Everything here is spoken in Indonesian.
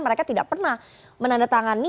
mereka tidak pernah menandatangani